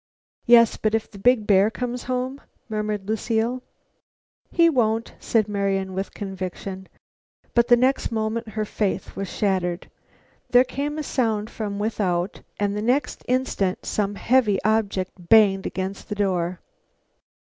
"Yes, but if the big bear comes home?" murmured Lucile. "He won't," said Marian with conviction. But the next moment her faith was shattered. There came a sound from without, and the next instant some heavy object banged against the door.